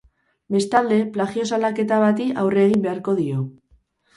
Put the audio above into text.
Bestalde, plagio salaketa bati aurre egin beharko dio.